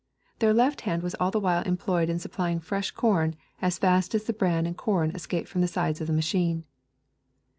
Their left hand was all the while employed in supplying fresh com. as fast as the bran and corn escaped from the sides of the machine.